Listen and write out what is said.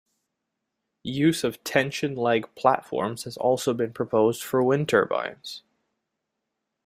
Use of tension-leg platforms has also been proposed for wind turbines.